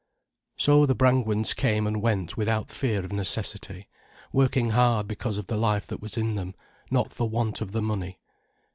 So the Brangwens came and went without fear of necessity, working hard because of the life that was in them, not for want of the money.